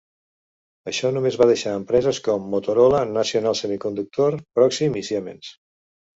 Això només va deixar empreses com Motorola, National Semiconductor, Proxim i Siemens.